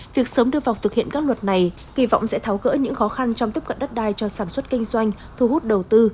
việc sớm đưa vào thực hiện các luật này kỳ vọng sẽ tháo gỡ những khó khăn trong tiếp cận đất đai cho sản xuất kinh doanh thu hút đầu tư